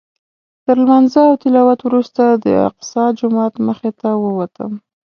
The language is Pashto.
تر لمانځه او تلاوت وروسته د الاقصی جومات مخې ته ووتم.